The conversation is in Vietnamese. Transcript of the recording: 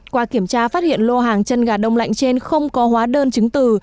qua kiểm tra phát hiện lô hàng chân gà đông lạnh trên không có hóa đơn chứng từ